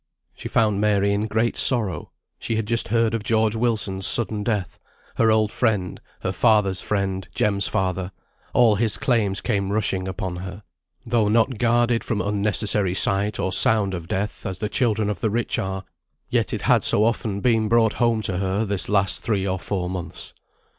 She found Mary in great sorrow. She had just heard of George Wilson's sudden death: her old friend, her father's friend, Jem's father all his claims came rushing upon her. Though not guarded from unnecessary sight or sound of death, as the children of the rich are, yet it had so often been brought home to her this last three or four months.